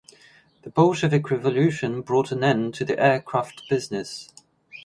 The Bolshevik Revolution brought an end to the aircraft business.